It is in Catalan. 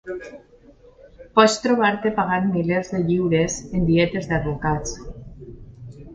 Pots trobar-te pagant milers de lliures en dietes d'advocats.